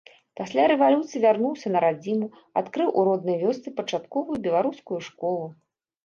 Пасля рэвалюцыі вярнуўся на радзіму, адкрыў у роднай вёсцы пачатковую беларускую школу.